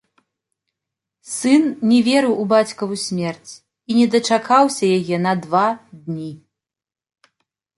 Сын не верыў у бацькаву смерць і не дачакаўся яе на два дні.